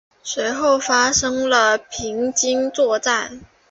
随后发生了平津作战。